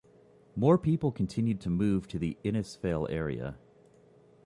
More people continued to move to the Innisfail area.